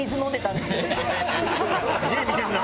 すげえ見てるな。